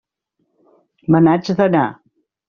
Me n'haig d'anar.